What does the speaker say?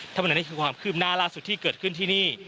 นั่นแหละนี่คือความคืบหน้าล่าสุดที่เกิดขึ้นที่นี่